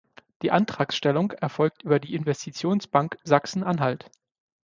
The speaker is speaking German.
Die Antragstellung erfolgt über die Investitionsbank Sachsen-Anhalt.